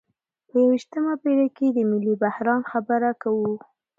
په یویشتمه پیړۍ کې د ملي بحران خبره کوو.